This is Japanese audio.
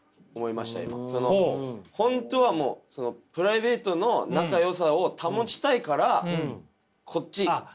本当はプライベートの仲よさを保ちたいからこっち。